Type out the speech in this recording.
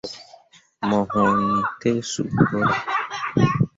Mo wŋni te sũũ borah.